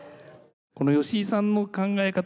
この吉井さんの考え方